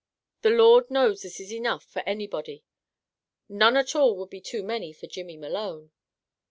The Lord knows this is enough, for anybody. None at all would be too many for Jimmy Malone.